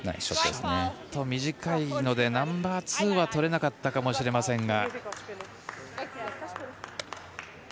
ちょっと短いのでナンバーツーはとれなかったかもしれませんが。